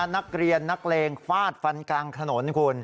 นักเรียนนักเลงฟาดฟันกลางถนนคุณ